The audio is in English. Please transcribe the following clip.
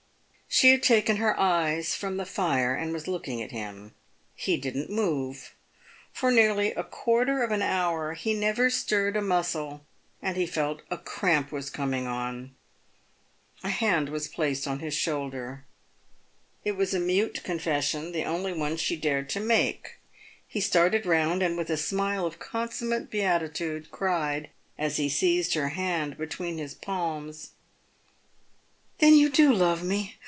She had taken her eyes from the fire and was looking at him. He didn't move. Eor nearly a quarter of an hour he never stirred a muscle, and he felt a cramp was coming on. A hand was placed on his shoulder. It was a mute confession, the only one she dared to make. He started round, and, with a smile of consummate beatitude, cried, as he seized her head between his palms, " Then you do love me